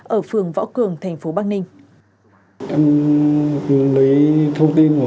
ở phường võ cường thành phố bắc ninh